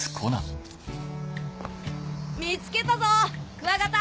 見つけたぞクワガタ！